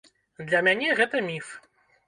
Для мяне гэта міф.